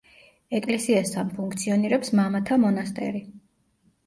ეკლესიასთან ფუნქციონირებს მამათა მონასტერი.